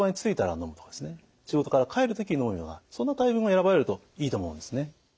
仕事から帰る時にのむようなそんなタイミングを選ばれるといいと思うんですね。